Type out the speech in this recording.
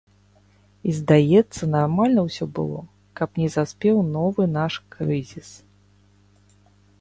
І, здаецца, нармальна ўсё было, каб не заспеў новы наш крызіс.